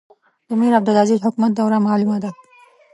د میرعبدالعزیز حکومت دوره معلومه ده.